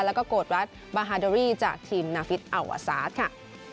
แล้วก็โกรธรัฐบาฮาโดรี่จากทีมนาฟิตอัลวาซาสค่ะ